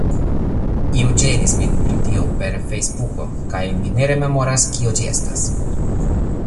Iu ĝenis min pri tio per Fejsbuko kaj mi ne rememoras, kio ĝi estas